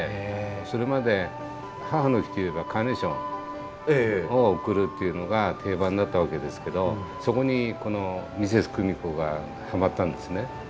それまで母の日といえばカーネーションを贈るっていうのが定番だったわけですけどそこにこのミセスクミコがはまったんですね。